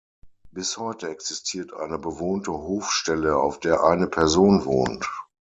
Bis heute existiert eine bewohnte Hofstelle, auf der eine Person wohnt.